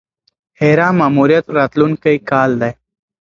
هیرا ماموریت راتلونکی کال دی.